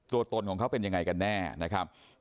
ตัวตนของเขาเป็นยังไงกันแน่นะครับ